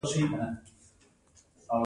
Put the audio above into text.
چرګان د ځان دفاع لپاره غږ کوي.